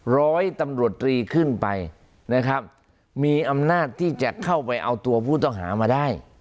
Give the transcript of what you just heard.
ร้อยตำรวจตรีขึ้นไปนะครับมีอำนาจที่จะเข้าไปเอาตัวผู้ต้องหามาได้